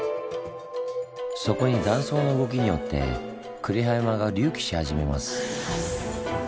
そこに断層の動きによって呉羽山が隆起し始めます。